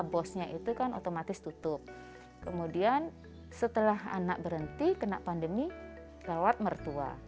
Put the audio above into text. bosnya itu kan otomatis tutup kemudian setelah anak berhenti kena pandemi lewat mertua